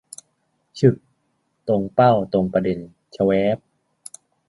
ฉึก ! ตรงเป้า ตรงประเด็น ชะแว้บบบบบ